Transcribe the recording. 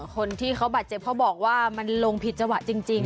คนที่เขาบาดเจ็บเขาบอกว่ามันลงผิดจังหวะจริง